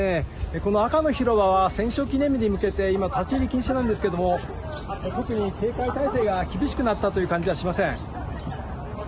この赤の広場は、戦勝記念日に向けて、今、立ち入り禁止なんですけれども、特に警戒態勢が厳しくなったという感じはしません。